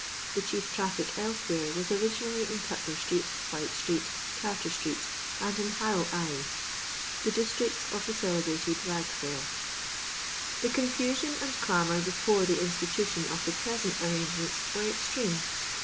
The chief traffic elsewhere was originally in Cutler street. White street, Carter street, and in Harrow alley — the districts of the celebrated Rag fiur. The confusion and clamour before the instita tion of the present arrangements were extreme.